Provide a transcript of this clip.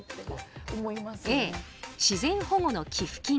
Ａ自然保護の寄付金